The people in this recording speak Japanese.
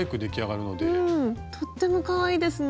うんとってもかわいいですね。